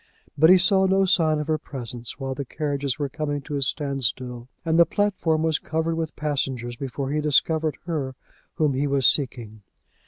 But he saw no sign of her presence while the carriages were coming to a stand still, and the platform was covered with passengers before he discovered her whom he was seeking.